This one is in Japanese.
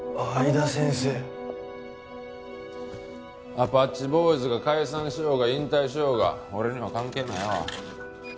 アパッチボーイズが解散しようが引退しようが俺には関係ないわ。